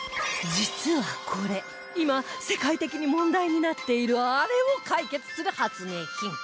実はこれ今世界的に問題になっているあれを解決する発明品